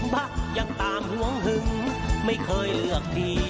พระยังตามห่วงหึงไม่เคยเลือกดี